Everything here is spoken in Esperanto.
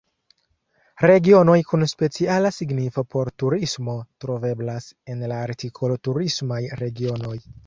Regionoj kun speciala signifo por turismo troveblas en la artikolo turismaj regionoj.